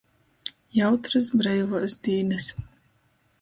Jautrys breivuos dīnys!!!